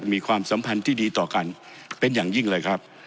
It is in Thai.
มีความสัมพันธ์ที่ดีต่อกันเป็นอย่างยิ่งเลยครับ